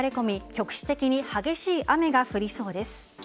局地的に激しい雨が降りそうです。